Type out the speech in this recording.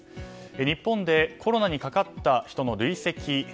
日本でコロナにかかった人の累積